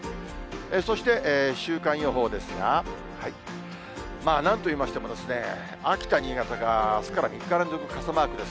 そして週間予報ですが、なんといいましても秋田、新潟があすから３日連続傘マークです。